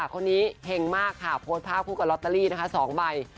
คนนี้เห็งมากค่ะโพสต์ภาพคู่กับลอตเตอรี่นะคะ๒ใบ